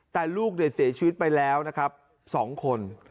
แต่ลูกเสียชีวิตไปแล้วนะครับ๒คน